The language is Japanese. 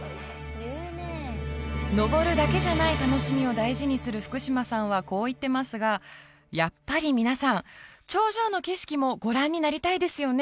登るだけじゃない楽しみを大事にする福島さんはこう言ってますがやっぱり皆さん頂上の景色もご覧になりたいですよね？